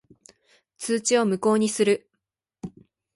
通知を無効にする。